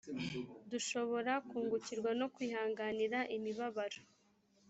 dushobora kungukirwa no kwihanganira imibabaro